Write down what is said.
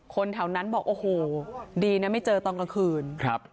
คนแถวนั้นบอกโอ้โหดีนะไม่เจอตอนกลางคืนครับ